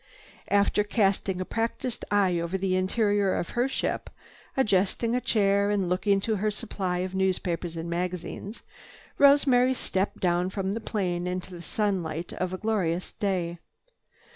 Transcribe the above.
After casting a practiced eye over the interior of her ship, adjusting a chair and looking to her supply of newspapers and magazines, Rosemary stepped down from the plane into the sunlight of a glorious day.